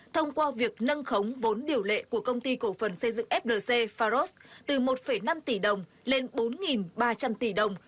thông qua việc nâng khống vốn điều lệ của công ty cổ phần xây dựng flc pharos từ một năm tỷ đồng lên bốn ba trăm linh tỷ đồng